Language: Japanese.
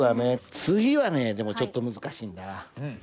次はねでもちょっと難しいんだ。